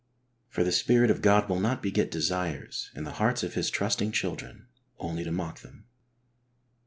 For the Spirit of God will not beget desires in the hearts of His trusting children only to mock them.